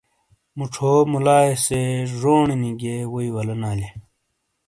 مُچھو مُلائیے سے جونی گیئے ووئی ولینا لیئے۔